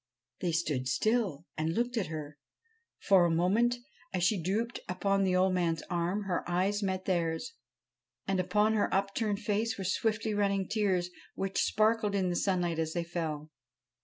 They stood still and looked at her. For a moment, as she drooped upon the old man's arm, her eyes met theirs ; and on her upturned face were swiftly running tears which sparkled in the sunlight as they fell.